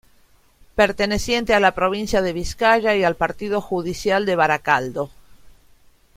Perteneciente a la provincia de Vizcaya y al partido judicial de Baracaldo.